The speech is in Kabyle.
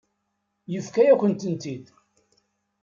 Yefka-yakent-tent-id.